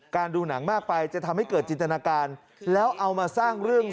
ดูหนังมากไปจะทำให้เกิดจินตนาการแล้วเอามาสร้างเรื่อง